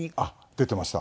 出てました。